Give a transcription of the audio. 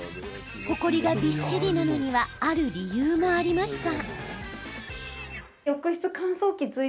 ほこりがびっしりなのにはある理由もありました。